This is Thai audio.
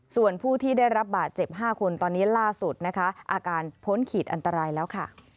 ส่วนผู้ที่ได้รับบาดเจ็บ๕คนตอนนี้ล่าสุดนะคะอาการพ้นขีดอันตรายแล้วค่ะ